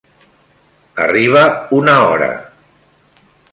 Arriba una hora.